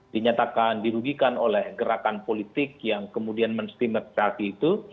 dinyatakan dirugikan oleh gerakan politik yang kemudian menstimetrasi itu